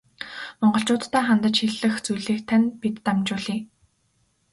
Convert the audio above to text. Монголчууддаа хандаж хэлэх зүйлийг тань бид дамжуулъя.